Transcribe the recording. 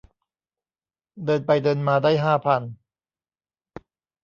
เดินไปเดินมาได้ห้าพัน